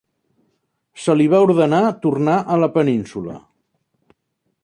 Se li va ordenar tornar a la península.